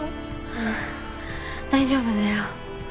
うん大丈夫だよ。